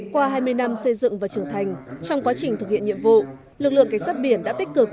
qua hai mươi năm xây dựng và trưởng thành trong quá trình thực hiện nhiệm vụ lực lượng cảnh sát biển đã tích cực